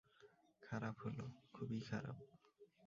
খারাপ হলো, খুবই খারাপ।